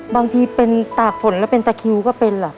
บางทีเป็นตากฝนแล้วเป็นตะคิวก็เป็นเหรอ